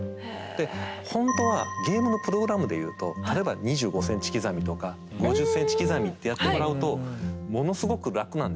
でほんとはゲームのプログラムでいうと例えば２５ｃｍ刻みとか５０ｃｍ刻みってやってもらうとものすごく楽なんですよね。